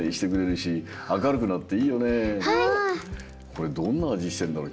これどんなあじしてるんだろう